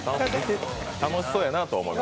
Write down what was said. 楽しそうやなと思う。